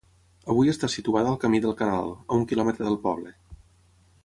Avui està situada al camí del Canal, a un quilòmetre del poble.